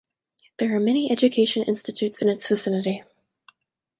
There are many education institutes in its vicinity.